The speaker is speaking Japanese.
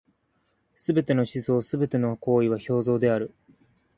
凡すべての思想凡ての行為は表象である。